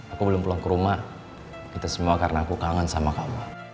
aku belum pulang ke rumah kita semua karena aku kangen sama kamu